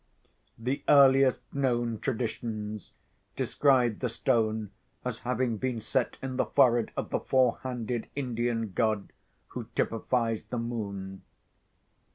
The earliest known traditions describe the stone as having been set in the forehead of the four handed Indian god who typifies the Moon.